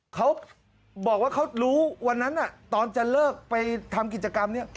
เขาบอกว่าเขารู้วันนั้นตอนจะเลิกไปทำกิจกรรมนี้